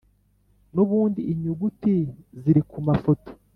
nubundi inyuguti ziri kumafoto,